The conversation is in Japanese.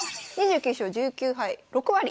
２９勝１９敗６割。